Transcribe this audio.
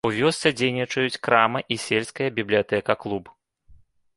У вёсцы дзейнічаюць крама і сельская бібліятэка-клуб.